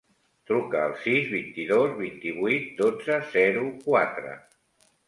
Truca al sis, vint-i-dos, vint-i-vuit, dotze, zero, quatre.